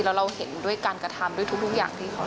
แล้วเราเห็นด้วยการกระทำด้วยทุกอย่างที่เขา